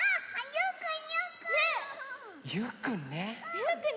ゆうくん！